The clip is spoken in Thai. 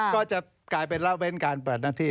ก็จะกลายเป็นละเว้นการเปิดหน้าที่